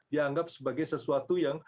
dianggap sebagai sesuatu yang